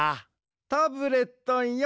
タブレットンよ。